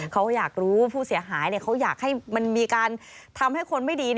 เขาอยากรู้ผู้เสียหายเขาอยากให้มันมีการทำให้คนไม่ดี